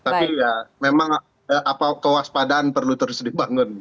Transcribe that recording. tapi ya memang kewaspadaan perlu terus dibangun